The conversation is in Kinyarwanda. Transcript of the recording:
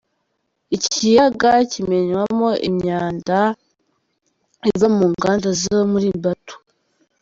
Ikiyaga kimenywamo imyanda iva mu nganda zo muri Baotou.